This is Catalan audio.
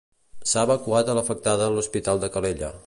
S'ha evacuat a l'afectada l'Hospital de Calella.